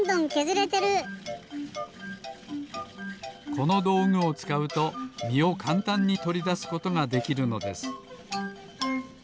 このどうぐをつかうとみをかんたんにとりだすことができるのです。